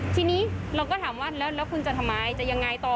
ทีนี้เราก็ถามว่าแล้วคุณจะทำไมจะยังไงต่อ